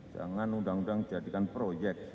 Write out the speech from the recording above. jangan undang undang jadikan proyek